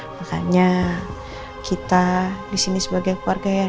makanya kita disini sebagai keluarga yang